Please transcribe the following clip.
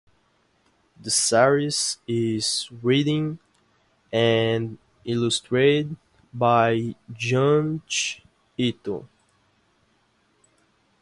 The series is written and illustrated by Junji Ito.